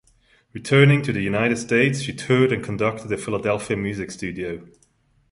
Returning to the United States, she toured and conducted a Philadelphia music studio.